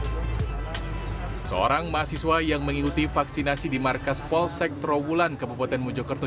hai seorang mahasiswa yang mengikuti vaksinasi di markas falsek terobulan kebupaten mojokerto